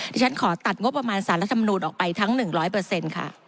ที่ฉันขอตัดงบประมาณสารรัฐธรรมนูลออกไปทั้ง๑๐๐ค่ะ